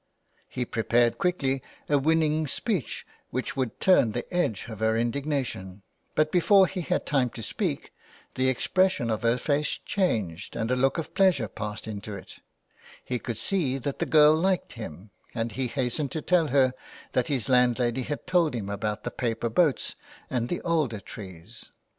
He prepared quickly a winning speech which would turn the edge of her indignation, but before he had time to speak the expression of her face changed and a look of pleasure passed into it ; he could see that the girl liked him, and he hastened to tell her that his landlady had told him about the paper boats and the alder trees.